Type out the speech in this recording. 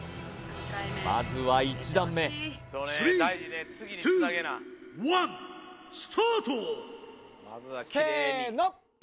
まずは１段目スタートせーの！